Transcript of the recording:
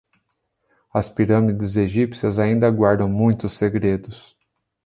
As pirâmides egípcias ainda guardam muitos segredos